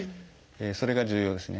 それが重要ですね。